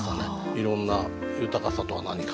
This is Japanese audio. いろんな豊かさとは何か？とかね。